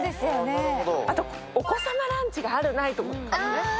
あと、お子様ランチがある、ないとかね。